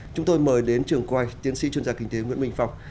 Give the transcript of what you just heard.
chúng tôi mời đến trường quay tiến sĩ chuyên gia kinh tế nguyễn minh phong